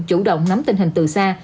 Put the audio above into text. chủ động nắm tình hình từ xa